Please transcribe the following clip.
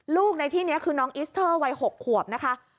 ลูกในที่นี้คือน้องอิสเตอร์วัย๖ขวบนะคะ